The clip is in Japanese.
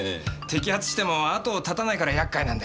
摘発しても後を絶たないからやっかいなんだよな。